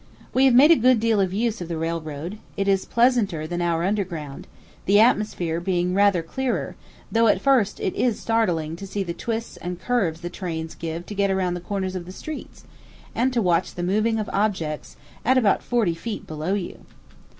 We have made a good deal of use of the railroad; it is pleasanter than our under ground, the atmosphere being "rather" clearer, though at first it is startling to see the twists and curves the trains give to get round the corners of the streets, and to watch the moving of objects at about forty feet below you.